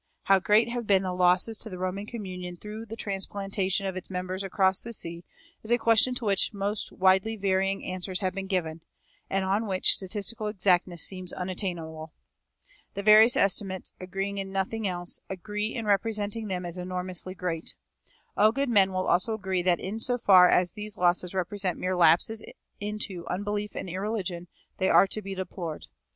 How great have been the losses to the Roman communion through the transplantation of its members across the sea is a question to which the most widely varying answers have been given, and on which statistical exactness seems unattainable. The various estimates, agreeing in nothing else, agree in representing them as enormously great.[321:2] All good men will also agree that in so far as these losses represent mere lapses into unbelief and irreligion they are to be deplored.